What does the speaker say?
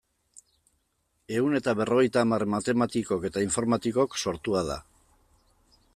Ehun eta berrogeita hamar matematikok eta informatikok sortua da.